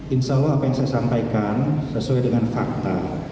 insya allah apa yang saya sampaikan sesuai dengan fakta